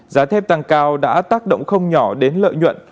giá thép tăng cao đã tác động không nhỏ đến lợi nhuận